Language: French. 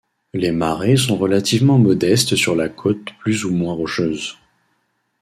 Les marées sont relativement modestes sur la côte plus ou moins rocheuse.